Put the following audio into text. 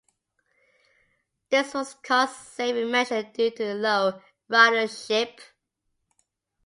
This was a cost-saving measure due to low ridership.